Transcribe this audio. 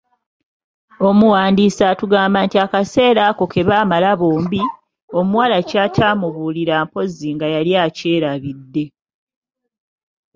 Omuwandiisi atugamba nti akaseera ako kebaamala bombi, omuwala ky’ataamubuulira mpozzi nga yali akyerabidde.